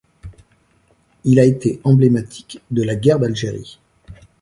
Il a été emblématique de la guerre d'Algérie.